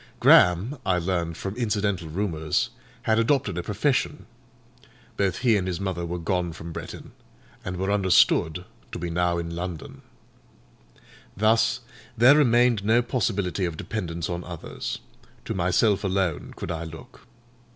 Graham, I learned from incidental rumours, had adopted a profession; both he and his mother were gone from Bretton, and were understood to be now in London. Thus, there remained no possibility of dependence on others; to myself alone could I look.